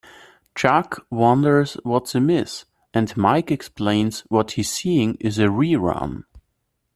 "Chuck" wonders what's amiss, and Mike explains what he's seeing is a rerun.